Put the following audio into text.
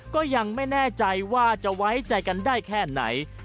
ก็ยังไม่แน่ใจว่าจะไว้ใจกันได้แค่ไหน